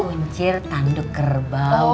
kunci tanduk kerbau